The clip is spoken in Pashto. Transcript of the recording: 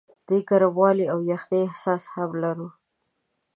د ګرموالي او یخنۍ احساس هم لرو.